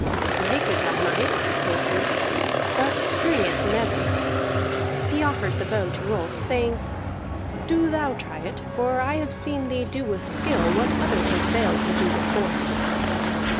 "Break it I might," quoth he, "but string it never." He offered the bow to Rolf, saying: "Do thou try it, for I have seen thee do with skill what others have failed to do with force."